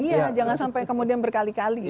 iya jangan sampai kemudian berkali kali